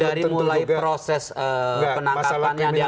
jadi mulai proses penangkapan yang dianggap makan